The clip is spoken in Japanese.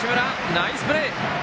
ナイスプレー！